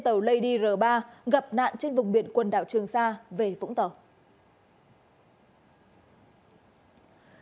tàu lady r ba gặp nạn trên vùng biển quần đảo trường sa về vũng tàu